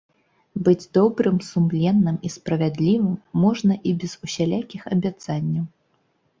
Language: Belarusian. Быць добрым, сумленным і справядлівым можна і без усялякіх абяцанняў.